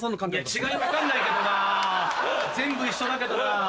違い分かんないけどな全部一緒だけどな。